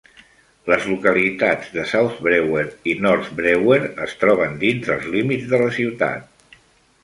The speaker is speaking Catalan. Les localitats de South Brewer i North Brewer es troben dins dels límits de la ciutat.